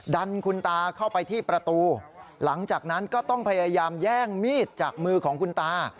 ดันคุณตาเข้าไปที่ประตูหลังจากนั้นก็ต้องพยายามแย่งมีดจากมือของคุณตา